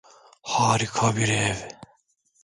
Harika bir ev.